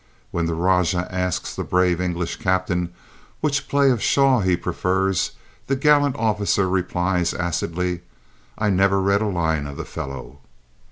When the rajah asks the brave English captain which play of Shaw he prefers, the gallant officer replies acidly: "I never read a line of the fellow."